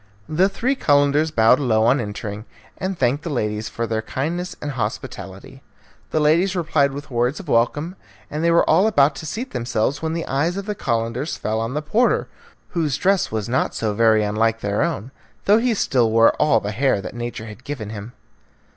The three Calenders bowed low on entering, and thanked the ladies for their kindness and hospitality. The ladies replied with words of welcome, and they were all about to seat themselves when the eyes of the Calenders fell on the porter, whose dress was not so very unlike their own, though he still wore all the hair that nature had given him.